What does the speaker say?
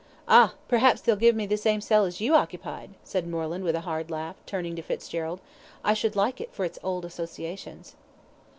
"Ah! perhaps they'll give me the same cell as you occupied," said Moreland, with a hard laugh, turning to Fitzgerald. "I should like it for its old associations."